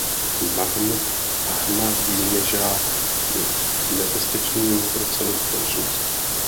Mahmúd Ahmadínežád je nebezpečím pro celou společnost.